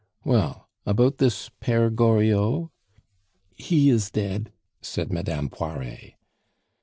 "Well, about this Pere Goriot?" "He is dead," said Madame Poiret.